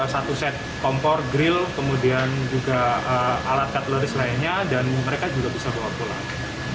satu set kompor grill kemudian juga alat kategoris lainnya dan mereka juga bisa bawa pulang